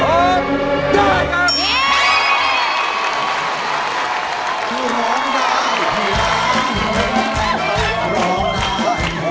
ร้องได้ครับ